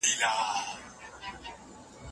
تاسي په اخیرت کي د الله د لیدلو مننه کوئ.